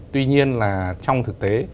tuy nhiên là trong thực tế